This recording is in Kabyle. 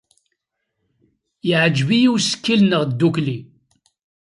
Yeɛjeb-iyi ussikel-nneɣ ddukkli.